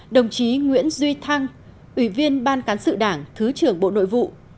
đồng chí nguyễn duy thăng ủy viên ban cán sự đảng thứ trưởng bộ nội vụ